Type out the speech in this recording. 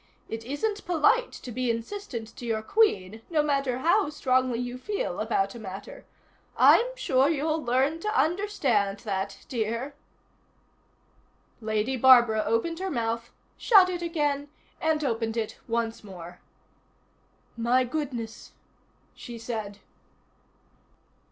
It isn't polite to be insistent to your Queen no matter how strongly you feel about a matter. I'm sure you'll learn to understand that, dear." Lady Barbara opened her mouth, shut it again, and opened it once more. "My goodness," she said.